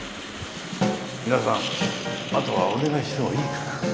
皆さんあとはお願いしてもいいかな。